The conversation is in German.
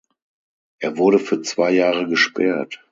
Er wurde für zwei Jahre gesperrt.